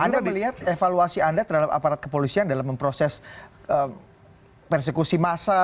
anda melihat evaluasi anda terhadap aparat kepolisian dalam memproses persekusi massa